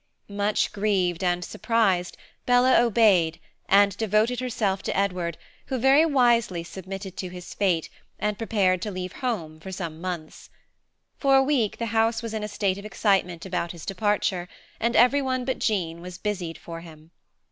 Much grieved and surprised, Bella obeyed, and devoted herself to Edward, who very wisely submitted to his fate and prepared to leave home for some months. For a week the house was in a state of excitement about his departure, and everyone but Jean was busied for him.